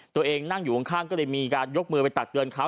ตัวเองนั่งอยู่ข้างก็เลยมีการยกมือไปตักเตือนเขา